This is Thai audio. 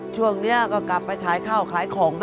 ช่วงนี้ก็กลับไปขายข้าวขายของ